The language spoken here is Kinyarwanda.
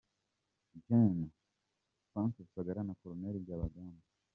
Gen. Frank Rusagara Na Col. Byabagamba